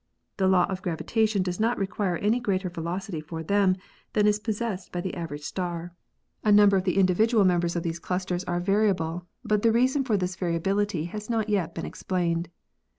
The law of gravitation does not require any greater velocity for them than is pos sessed by the average star. A number of the individual 306 ASTRONOMY members of these clusters are variable, but the reason for this variability has not yet been explained.